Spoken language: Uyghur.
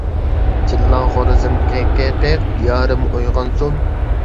چىللاڭ خورىزىم قى قى قىق، يارىم ئويغانسۇن.